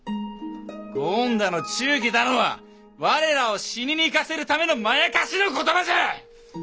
ご恩だの忠義だのは我らを死にに行かせるためのまやかしの言葉じゃ！